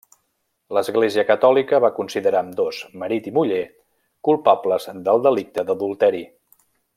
L'Església catòlica va considerar ambdós, marit i muller, culpables del delicte d'adulteri.